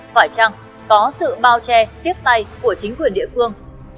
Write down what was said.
phải chăng có sự bao che tiếp tay của chính quyền địa phương